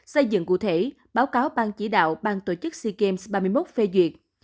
xây dựng cụ thể báo cáo ban chỉ đạo ban tổ chức sea games ba mươi một phê duyệt